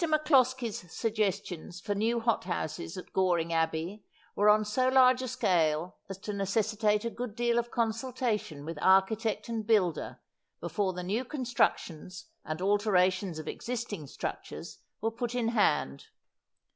MacCloskie's suggestions for new hot houses at Goring Abbey were on so large a scale as to necessitate a good deal of consultation with architect and builder before the new construc tions and alterations of existing structures were put in hand.